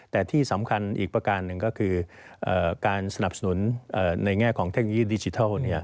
แต่ที่สำคัญอีกประการหนึ่งก็คือการสนับสนุนในแง่ของเทคโนโลยีดิจิทัล